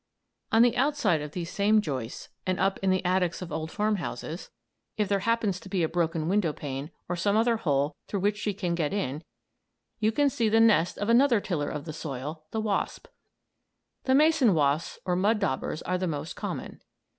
On the outside of these same joists, and up in the attics of old farmhouses, if there happens to be a broken window pane, or some other hole through which she can get in, you can see the nest of another tiller of the soil, the wasp. The mason wasps or mud daubers are the most common.